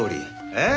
えっ？